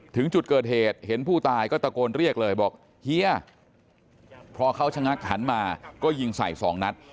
ถึงจุดเกิดเหตุเห็นผู้ตายก็ตะโกนเรียกเลยบอกเฮียพอเขาชะงักหันมาก็ยิงใส่สองนัด